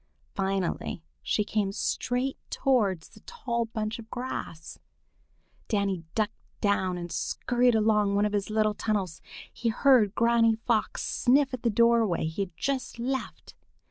Finally she came straight towards the tall bunch of grass. Danny ducked down and scurried along one of his little tunnels. He heard Granny Fox sniff at the doorway he had just left.